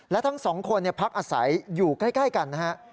และทั้งสองคนพักอาศัยอยู่ใกล้กันนะฮะ